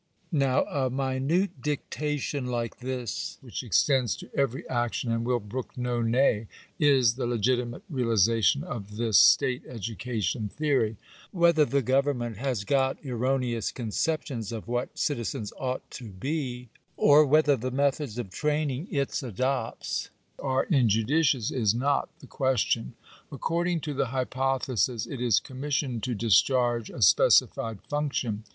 Now a minute dictation like this, which extends to every action, and will brook no nay, is the legitimate realization of this state education theory. Whether the government has got erroneous conceptions of what citizens ought to be, or whether the methods of training it adopts are injudicious, is not the question. According to the hypothesis it is commissioned to discharge a specified function.